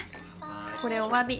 これお詫び。